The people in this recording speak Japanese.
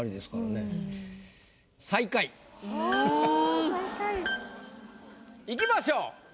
おお最下位。いきましょう。